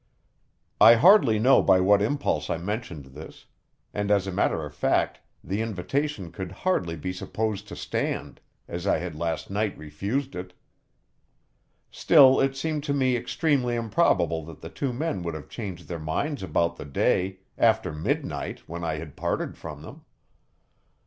I hardly know by what impulse I mentioned this, and as a matter of fact the invitation could hardly be supposed to stand, as I had last night refused it. Still, it seemed to me extremely improbable that the two men would have changed their minds about the day, after midnight, when I had parted from them.